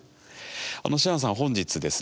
シアンさんは本日ですね